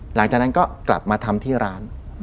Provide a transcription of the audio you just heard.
หลังจากนั้นก็กลับมาทำที่ร้าน